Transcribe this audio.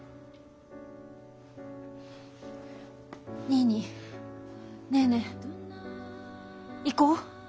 ニーニーネーネー行こう。